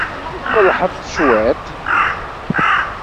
I tmellḥeḍ-t cwiṭ?